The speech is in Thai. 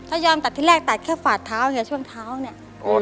ถ้ายอมตัดที่แรกตัดแค่ฝาดเท้าเนี่ยช่วงเท้าเนี่ย